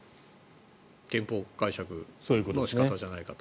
憲法解釈の仕方じゃないかと。